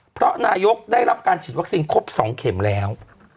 เพราะนายกได้รับการฉีดวัคซีนครบ๒เข็มแล้ว